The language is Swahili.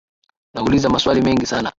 Nauliza maswali mengi sana